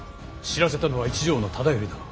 知らせたのは一条忠頼殿。